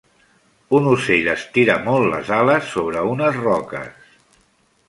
Un ocell estira molt les ales sobre unes roques.